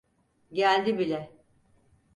Geldi bile.